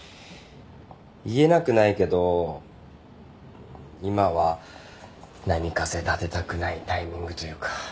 言えなくないけど今は波風立てたくないタイミングというか。